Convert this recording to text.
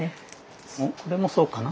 これもそうかな？